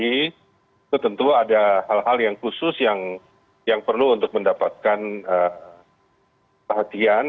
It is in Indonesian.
itu tentu ada hal hal yang khusus yang perlu untuk mendapatkan perhatian